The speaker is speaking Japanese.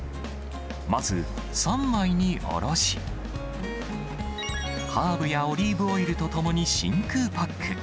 まず３枚におろし、ハーブやオリーブオイルと共に真空パック。